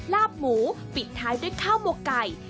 ลาบหมูปิดท้ายด้วยข้าวหมวกไก่